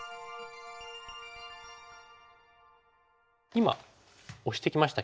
今オシてきましたけども。